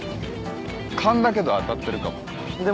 勘だけど当たってるかも。